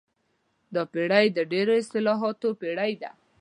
دا پېړۍ د ډېرو اصطلاحاتو پېړۍ ده.